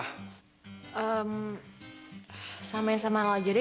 ehm samain sama lo aja deh